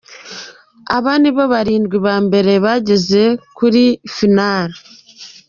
Aba nibo barindwi ba mbere bageze kuri final.